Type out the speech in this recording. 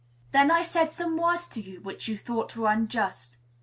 Then I said some words to you, which you thought were unjust.